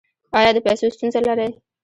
ایا د پیسو ستونزه لرئ؟